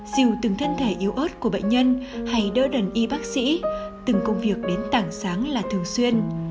dìu từng thân thể yếu ớt của bệnh nhân hay đỡ đần y bác sĩ từng công việc đến tảng sáng là thường xuyên